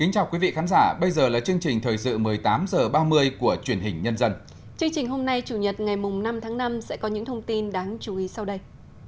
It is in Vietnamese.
chương trình hôm nay chủ nhật ngày năm tháng năm sẽ có những thông tin đáng chú ý sau đây